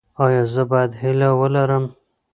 ایا زه باید هیله ولرم؟